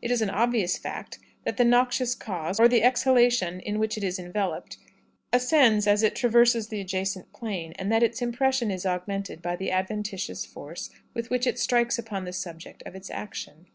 It is an obvious fact, that the noxious cause, or the exhalation in which it is enveloped, ascends as it traverses the adjacent plain, and that its impression is augmented by the adventitious force with which it strikes upon the subject of its action.